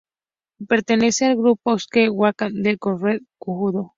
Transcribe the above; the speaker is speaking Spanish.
Pertenece al grupo "osaekomi-waza" del kodokan judo.